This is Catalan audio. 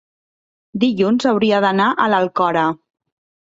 Dilluns hauria d'anar a l'Alcora.